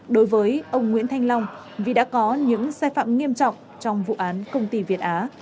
đối với ông nguyễn thanh long vì đã có những sai phạm nghiêm trọng trong vụ án công ty việt á